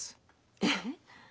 えっ？